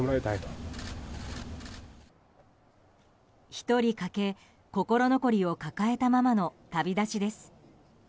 １人欠け、心残りを抱えたままの旅立ちです。